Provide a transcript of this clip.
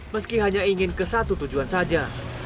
meski hanya ingin ke satu tujuan saja